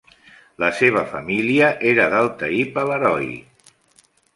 La seva família era del teip Alaroy.